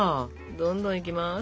どんどんいきます。